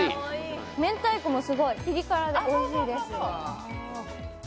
めんたいこもすごいピリ辛でおいしいです。